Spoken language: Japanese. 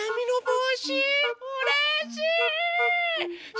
うれしい！